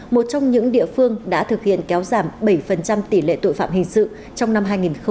một trong những địa phương đã thực hiện kéo giảm bảy tỷ lệ tội phạm hình sự trong năm hai nghìn hai mươi ba